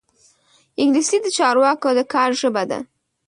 انګلیسي د چارواکو د کار ژبه ده